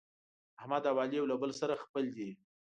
احمد او علي یو له بل سره خپل دي.